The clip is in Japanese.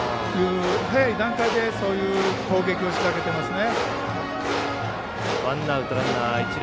早い段階でそういう攻撃を仕掛けてますね。